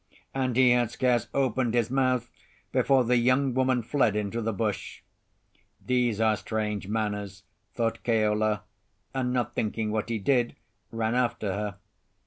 And he had scarce opened his mouth before the young woman fled into the bush. "These are strange manners," thought Keola. And, not thinking what he did, ran after her.